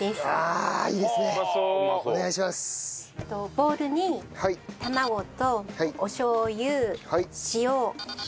ボウルに卵とおしょう油塩。